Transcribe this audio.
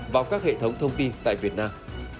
vào các hệ thống thông tin tại việt nam